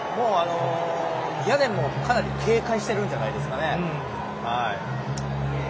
ギャレンも、かなり警戒してるんじゃないですかね。